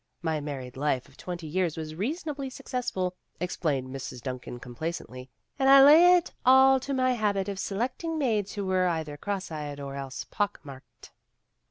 My married life of twenty years was reasonably successful," ex plained Mrs. Duncan complacently, "and I lay it all to my habit of selecting maids who were either cross eyed or else pock marked.